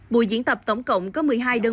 bộ diễn tập tổng cộng có một mươi hai đơn phương